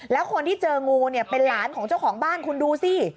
แล้วคนที่เจองูเนี่ยเป็นหลานของเจ้าของบ้านคุณดูสิ